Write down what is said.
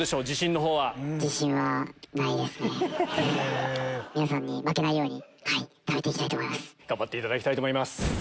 自信のほうは。頑張っていただきたいと思います。